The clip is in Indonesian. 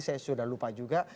saya sudah lupa juga